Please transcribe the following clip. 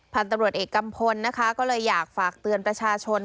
พันธุ์ตำรวจเอกกัมพลนะคะก็เลยอยากฝากเตือนประชาชน